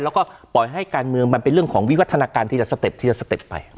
แล้วก็ปล่อยให้การเมืองมันเป็นเรื่องของวิวัฒนาการทีละสเต็ปทีละสเต็ปไป